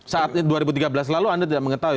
saat dua ribu tiga belas lalu anda tidak mengetahui